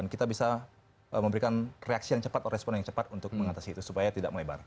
kita bisa memberikan reaksi yang cepat atau respon yang cepat untuk mengatasi itu supaya tidak melebar